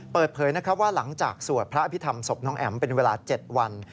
เปิดเผยนะครับว่าหลังจากสวดพระอภิษฐรรมศพน้องแอ๋มเป็นเวลา๗วัน